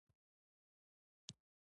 په دې سره دعا د عمل يوه برخه وګرځي.